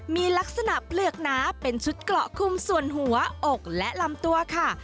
มีลักษณะเปลือกหนาเป็นชุดเกราะคุมส่วนหัวอกและลำตัวค่ะ